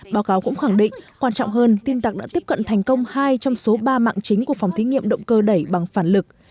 báo cáo cũng khẳng định quan trọng hơn tin tặc đã tiếp cận thành công hai trong số ba mạng chính của phòng thí nghiệm động cơ đẩy bằng phản lực